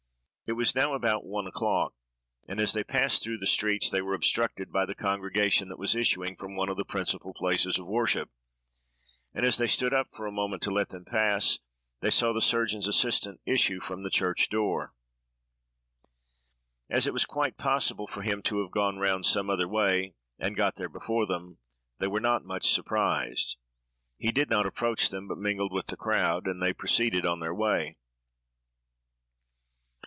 It was now about one o'clock, and, as they passed through the streets, they were obstructed by the congregation that was issuing from one of the principal places of worship; and, as they stood up for a moment, to let them pass, they saw the surgeon's assistant issue from the church door. As it was quite possible for him to have gone round some other way, and got there before them, they were not much surprised. He did not approach them, but mingled with the crowd, while they proceeded on their way.